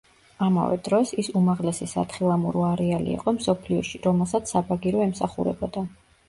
ამავე დროს, ის უმაღლესი სათხილამურო არეალი იყო მსოფლიოში, რომელსაც საბაგირო ემსახურებოდა.